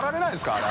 あれ。